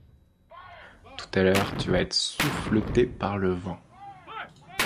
Tout à l’heure tu vas être souffleté par le vent.